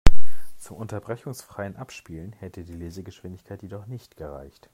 Zum unterbrechungsfreien Abspielen hätte die Lesegeschwindigkeit jedoch nicht gereicht.